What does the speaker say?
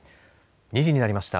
２時になりました。